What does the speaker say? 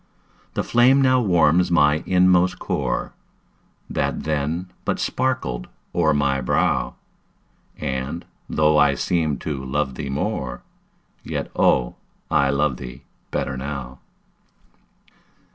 The flame now warms my inmost core, That then but sparkled o'er my brow, And, though I seemed to love thee more, Yet, oh, I love thee better now.